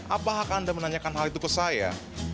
apa hak anda menanyakan hal itu ke saya